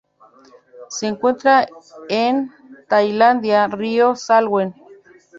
Se encuentra en Tailandia: río Salween.